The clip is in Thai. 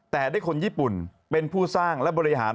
แต่ได้คนญี่ปุ่นเป็นผู้สร้างและบริหาร